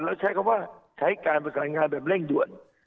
แล้วใช้คำว่าใช้การประสานงานแบบเร่งด่วน